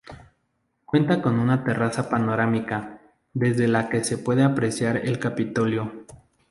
Cuenta con una terraza panorámica desde la que se puede apreciar el Capitolio.